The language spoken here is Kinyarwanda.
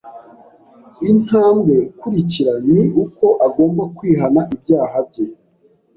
intambwe ikurikira ni uko agomba kwihana ibyaha bye